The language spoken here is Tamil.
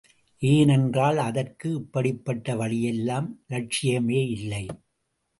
ஏனென்றால், அதற்கு இப்படிப்பட்ட வழியெல்லாம் லட்சியமேயில்லை.